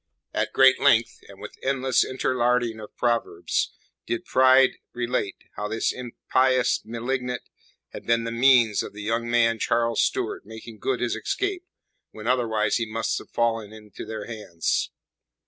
At great length, and with endless interlarding of proverbs did Pride relate how this impious malignant had been the means of the young man, Charles Stuart, making good his escape when otherwise he must have fallen into their hands.